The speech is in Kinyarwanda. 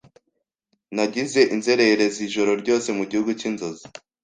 Nagize inzererezi ijoro ryose mugihugu cyinzozi